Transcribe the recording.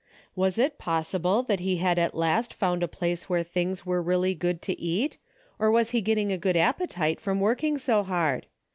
Was it possible that he had at last found a place where things were really good to eat, or was he getting a good appetite from working so hard